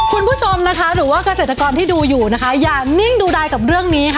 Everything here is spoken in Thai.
คุณผู้ชมนะคะหรือว่าเกษตรกรที่ดูอยู่นะคะอย่านิ่งดูดายกับเรื่องนี้ค่ะ